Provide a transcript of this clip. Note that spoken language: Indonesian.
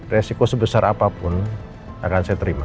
resiko sebesar apapun akan saya terima